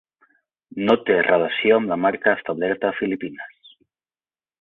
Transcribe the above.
No té relació amb la marca establerta a Filipines.